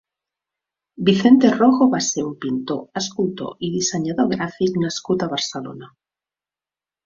Vicente Rojo va ser un pintor, escultor i dissenyador gràfic nascut a Barcelona.